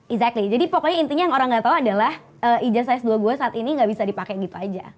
exactly jadi pokoknya intinya yang orang gak tau adalah ijazah size dua gue saat ini nggak bisa dipakai gitu aja